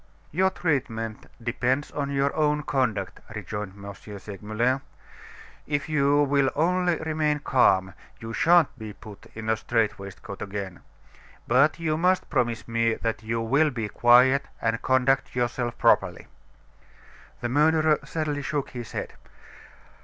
"Your treatment depends on your own conduct," rejoined M. Segmuller, "If you will only remain calm, you shan't be put in a strait waistcoat again. But you must promise me that you will be quiet and conduct yourself properly." The murderer sadly shook his head.